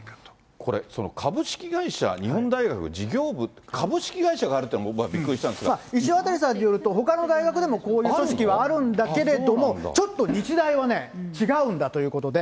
これ、その株式会社日本大学事業部、株式会社があるっていう石渡さんによる、ほかの大学でもこういう組織はあるんだけれども、ちょっと日大はね、違うんだということで。